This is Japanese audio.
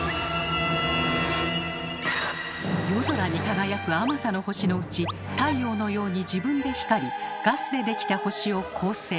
夜空に輝くあまたの星のうち太陽のように自分で光りガスでできた星を「恒星」